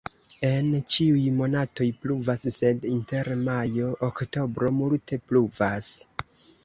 En ĉiuj monatoj pluvas, sed inter majo-oktobro multe pluvas.